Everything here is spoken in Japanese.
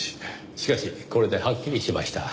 しかしこれではっきりしました。